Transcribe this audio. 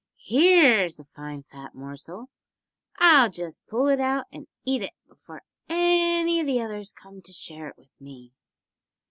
"Here's a fine fat morsel. I'll just pull it out and eat it before any of the others come to share it with me."